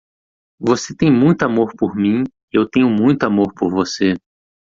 você tem muito amor por mim e eu tenho muito amor por você